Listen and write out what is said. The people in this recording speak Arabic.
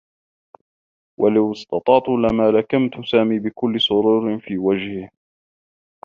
لو استطعت لما لكمت سامي بكلّ سرور في وجهه.